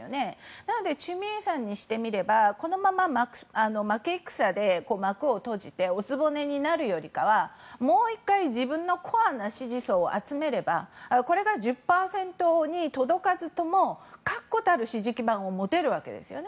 なのでチュ・ミエさんにすればこのまま負け戦で幕を閉じてお局になるよりかはもう１回自分のコアな支持層を集めればこれが１０％に届かずとも確固たる支持基盤を持てるわけですね。